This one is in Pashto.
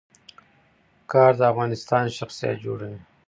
کار د انسان شخصیت جوړوي